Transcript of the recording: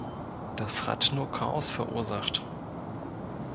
Das hat nur Chaos verursacht.